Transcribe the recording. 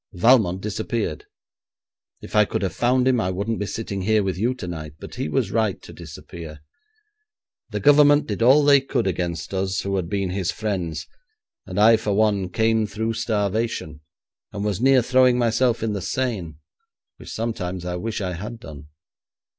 Valmont disappeared. If I could have found him, I wouldn't be sitting here with you tonight; but he was right to disappear. The Government did all they could against us who had been his friends, and I for one came through starvation, and was near throwing myself in the Seine, which sometimes I wish I had done.